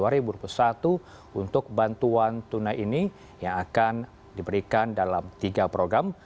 untuk bantuan tunai ini yang akan diberikan dalam tiga program